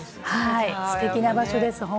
すてきな場所です。